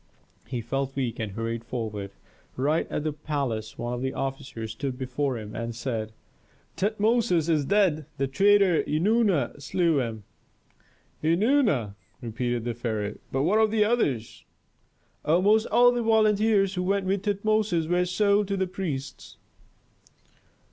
He felt weak and hurried forward. Right at the palace one of the officers stood before him and said, "Tutmosis is dead; the traitor Eunana slew him." "Eunana?" repeated the pharaoh. "But what of the others?" "Almost all the volunteers who went with Tutmosis were sold to the priests."